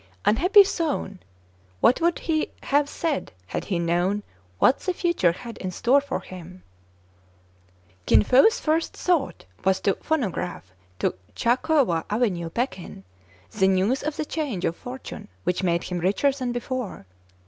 Unhappy Soun ! what would he have said had he known what the future had in store for him ? Kin Fo's first thought was to " phonograph " to Cha Coua Avenue, Pekin, the news of the change of fortune which made him richer than before.